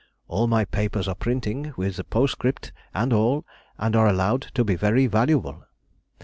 All my papers are printing, with the postscript and all, and are allowed to be very valuable.